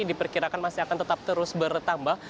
diperkirakan masih akan tetap terus bertambah